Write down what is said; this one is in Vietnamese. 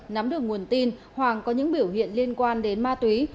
nắm được nguồn tin hoàng có những biểu hiện liên quan đến ma túy